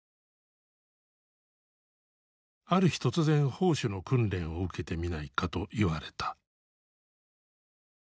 ある日突然砲手の訓練を受けてみないかと言われた。